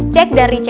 cek dari chat